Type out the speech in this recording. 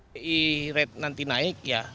bi rate nanti naik ya